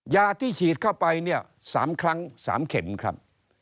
ยาที่ฉีดเข้าไปเนี่ย๓ครั้ง๓เข็มครับ